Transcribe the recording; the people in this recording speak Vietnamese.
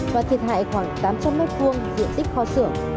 và thiệt hại khoảng tám trăm linh m hai diện tích kho xưởng